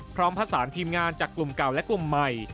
พร้อมผสานทีมงานจากกลุ่มเก่าและกลุ่มใหม่